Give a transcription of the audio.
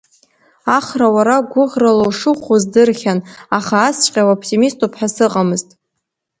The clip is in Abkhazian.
Ахра, уара гәыӷрала ушыӷәӷәоу здырхьан, аха асҵәҟьа уаптимиступ ҳәа сыҟамызт.